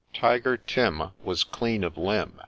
Tiger Tim Was clean of limb.